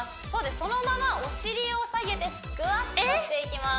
そのままお尻を下げてスクワットしていきます